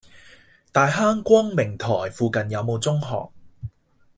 大坑光明臺附近有無中學？